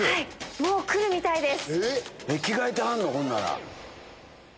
もう来るみたいです。